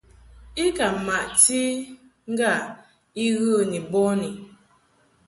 I ka maʼti i ŋgâ I ghə ni bɔni.